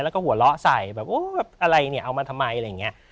แล้วก็หัวเราะใส่แบบโอ้แบบอะไรเนี่ยเอามาทำไมอะไรอย่างนี้